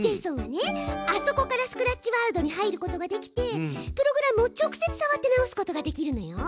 あそこからスクラッチワールドに入ることができてプログラムを直接さわって直すことができるのよ。